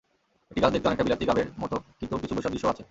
একটি গাছ দেখতে অনেকটা বিলাতি গাবের মতো, কিন্তু কিছু বৈসাদৃশ্যও আছে।